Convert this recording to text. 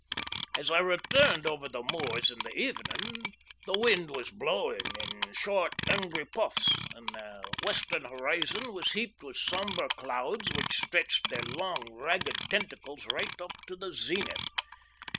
As I returned over the moors in the evening, the wind was blowing in short, angry puffs, and the western horizon was heaped with sombre clouds which stretched their long, ragged tentacles right up to the zenith.